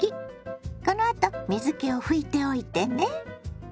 このあと水けを拭いておいてね。